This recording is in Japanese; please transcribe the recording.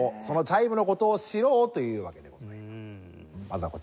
そのチャイムの事を知ろうというわけでございます。